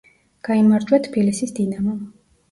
გაიმარჯვა თბილისის „დინამომ“.